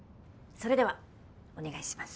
それではお願いします。